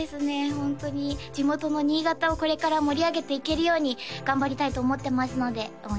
ホントに地元の新潟をこれから盛り上げていけるように頑張りたいと思ってますので応援